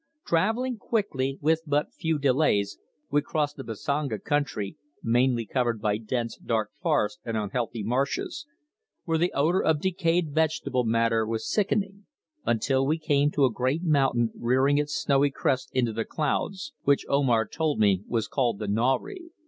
Travelling quickly, with but few delays, we crossed the Busanga country, mainly covered by dense, dark forest and unhealthy marshes, where the odour of decayed vegetable matter was sickening, until we came to a great mountain rearing its snowy crest into the clouds, which Omar told me was called the Nauri.